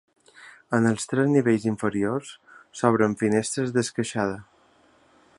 En els tres nivells inferiors s'obren finestres d'esqueixada.